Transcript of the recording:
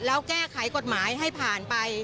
แล้วแก้ไขกฎหมายให้ผ่านไป